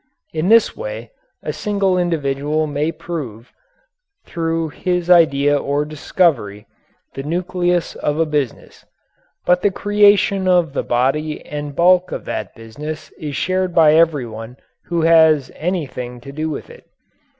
In this way a single individual may prove, through his idea or discovery, the nucleus of a business. But the creation of the body and bulk of that business is shared by everyone who has anything to do with it.